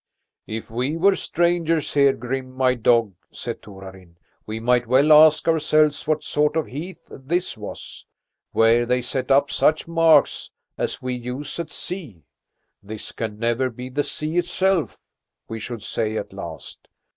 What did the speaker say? "If we were strangers here, Grim, my dog," said Torarin, "we might well ask ourselves what sort of heath this was, where they set up such marks as we use at sea. 'This can never be the sea itself?' we should say at last.